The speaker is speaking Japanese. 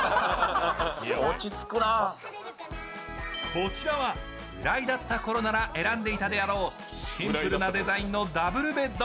こちらは浦井だったころなら選んでいたであろうシンプルなデザインのダブルベッド。